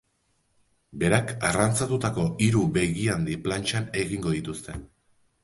Berak arrantzatutako hiru begihandi plantxan egingo dituzte.